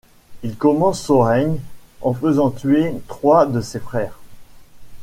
Il commence son règne en faisant tuer trois de ses frères.